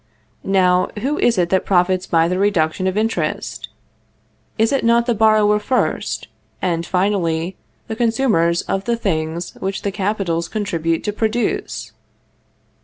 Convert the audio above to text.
Now, who is it that profits by the reduction of interest? Is it not the borrower first, and finally, the consumers of the things which the capitals contribute to produce?